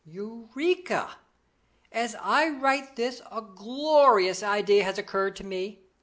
"Eureka! As I write this a glorious idea has occurred to me.